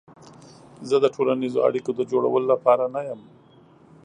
زه د ټولنیزو اړیکو د جوړولو لپاره نه یم.